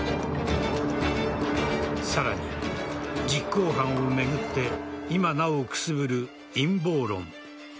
さらに、実行犯を巡って今なおくすぶる陰謀論。